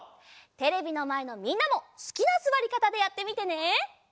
テレビのまえのみんなもすきなすわりかたでやってみてね！